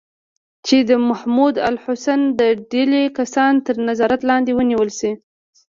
چې د محمود الحسن د ډلې کسان تر نظارت لاندې ونیول شي.